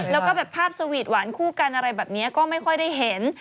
แล้วก็แบบภาพสวีทหวานคู่กันอะไรแบบนี้ก็ไม่ค่อยได้เห็น